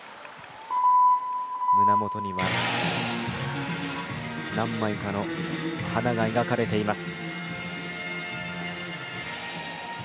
胸元には何枚かの花が描かれています。